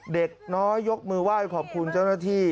เด็กน้อยยกมือไหว้ขอบคุณเจ้าหน้าที่